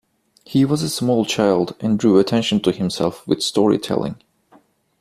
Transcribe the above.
He was a small child and drew attention to himself with storytelling.